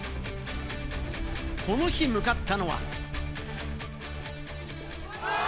この日、向かったのは。